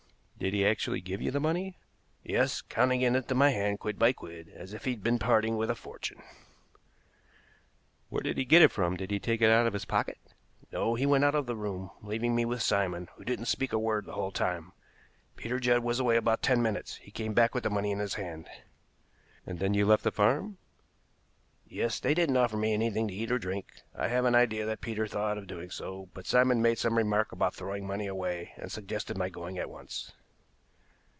"Did he actually give you the money?" "Yes, counting it into my hand quid by quid, as if he'd been parting with a fortune." "Where did he get it from? Did he take it out of his pocket?" "No; he went out of the room, leaving me with Simon, who didn't speak a word the whole time. Peter Judd was away about ten minutes. He came back with the money in his hand." "And then you left the farm?" "Yes; they didn't offer me anything to eat or drink. I have an idea that Peter thought of doing so, but Simon made some remark about throwing money away, and suggested my going at once."